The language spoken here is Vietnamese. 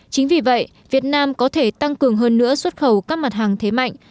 chính vì vậy việt nam có thể tăng cường hơn nữa xuất khẩu các mặt hàng thế mạnh